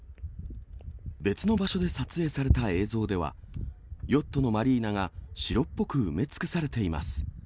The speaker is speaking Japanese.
別の場所で撮影された映像では、ヨットのマリーナが白っぽく埋め尽くされています。